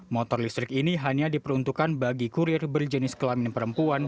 motor listrik ini hanya diperuntukkan bagi kurir berjenis kelamin perempuan